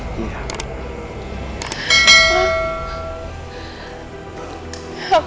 aku beneran raja